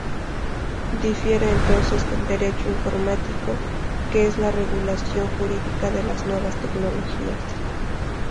Difiere entonces del Derecho informático, que es la regulación jurídica de las nuevas tecnologías.